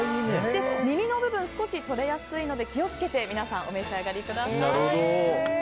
耳の部分少し取れやすいので気を付けて皆さん、お召し上がりください。